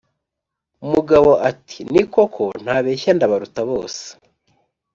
mugabo ati“ni koko ntabeshya ndabaruta bose.”